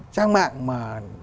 trang mạng mà